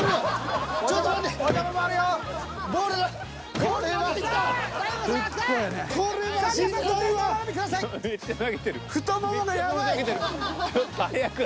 ちょっと早く。